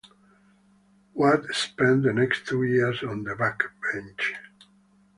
Watt spent the next two years on the back bench.